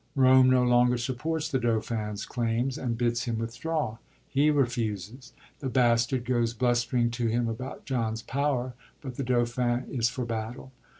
Bome no longer supports the Dauphin's claims, and bids him withdraw. He refuses. The Bastard goes bluster ing to him about John's power ; but the Dauphin is for battle.